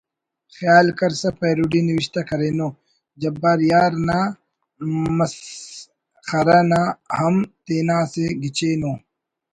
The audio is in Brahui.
خیال کرسا پیروڈی نوشتہ کرینو جیار یار نا مسخرہ نا ہم تینا اسہ گچین ءُ